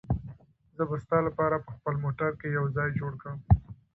زه به ستا لپاره په خپل موټر کې یو ځای جوړ کړم.